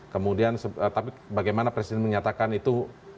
kemudian tapi bagaimana presiden menyatakan itu